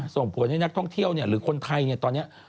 ส่งผลให้นักท่องเที่ยวหรือคนไทยตอนนี้